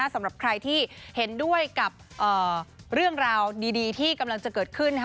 สำหรับใครที่เห็นด้วยกับเรื่องราวดีที่กำลังจะเกิดขึ้น